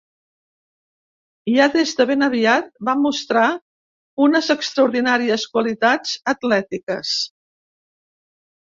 Ja des de ben aviat va mostrar unes extraordinàries qualitats atlètiques.